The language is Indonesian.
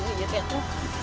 ini ya tengku